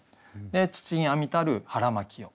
で「父に編みたる腹巻よ」。